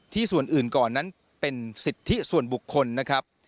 ส่วนอื่นก่อนนั้นเป็นสิทธิส่วนบุคคลนะครับ